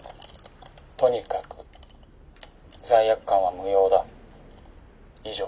とにかく罪悪感は無用だ。以上」。